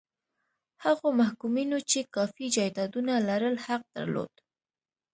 هغو محکومینو چې کافي جایدادونه لرل حق درلود.